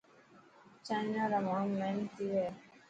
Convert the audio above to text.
چائنا را ماڻهومهينتي هي.